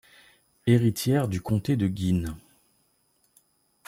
Héritière du comté de Guînes.